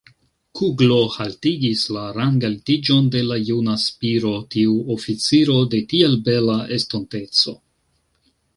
Kuglo haltigis la rangaltiĝon de la juna Spiro, tiu oficiro de tiel bela estonteco!